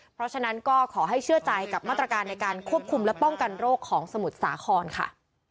เพราะฉะนั้นก็ขอให้เชื่อใจกับมาตรการในการควบคุมและป้องกันโรคของสมุทรสาครค่ะ